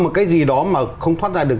một cái gì đó mà không thoát ra được